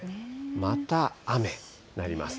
また雨になります。